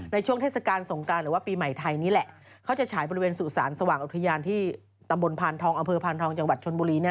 เทศกาลสงการหรือว่าปีใหม่ไทยนี่แหละเขาจะฉายบริเวณสู่สารสว่างอุทยานที่ตำบลพานทองอำเภอพานทองจังหวัดชนบุรี